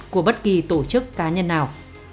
của bất kỳ tổ chức cá nhân nào